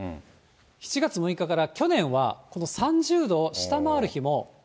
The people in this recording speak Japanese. ７月６日から去年はこの３０度を下回る日も。